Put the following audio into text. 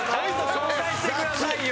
紹介してくださいよ！